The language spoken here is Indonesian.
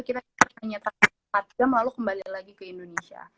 kita ternyata empat jam lalu kembali lagi ke indonesia